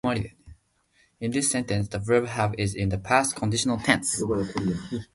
In this sentence, the verb "have" is in the past conditional tense.